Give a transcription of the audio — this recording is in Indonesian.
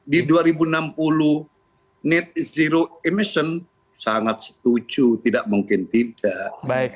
di dua ribu enam puluh net zero emission sangat setuju tidak mungkin tidak